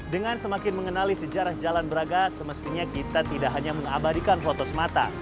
dengan semakin mengenali sejarah jalan braga semestinya kita tidak hanya mengabadikan fotos mata